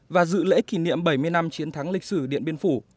và dự lễ kỷ niệm bảy mươi năm chiến thắng lịch sử điện biên phủ